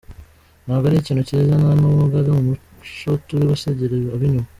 Ntabwo ari ikintu cyiza nta n’ubwo ari umuco turi gusigira ab’inyuma.